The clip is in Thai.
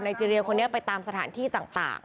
เจรียคนนี้ไปตามสถานที่ต่าง